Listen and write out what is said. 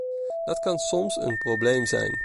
Dat kan soms een probleem zijn.